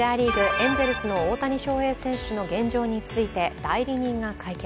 エンゼルスの大谷翔平選手の現状について代理人が会見。